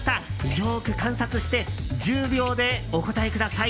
よく観察して１０秒でお答えください。